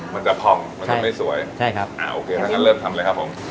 มันจะพองมันจะไม่สวยใช่ครับอ่าโอเคถ้างั้นเริ่มทำเลยครับผม